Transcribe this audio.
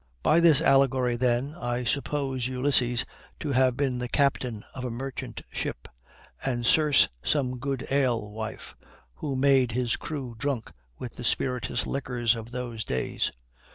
By this allegory then I suppose Ulysses to have been the captain of a merchant ship, and Circe some good ale wife, who made his crew drunk with the spirituous liquors of those days.